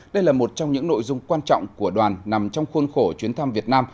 đây là một trong những nội dung quan trọng của đoàn nằm trong khuôn khổ chuyến thăm việt nam